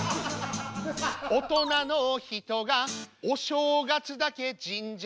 「大人の人がお正月だけ神社で」